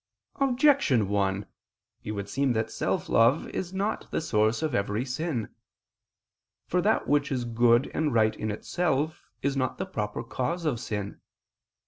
Objection 1: It would seem that self love is not the source of every sin. For that which is good and right in itself is not the proper cause of sin.